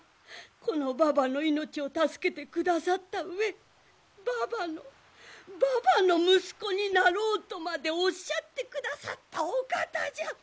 このばばの命を助けてくださった上ばばのばばの息子になろうとまでおっしゃってくださったお方じゃ。